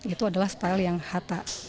itu adalah style yang hatta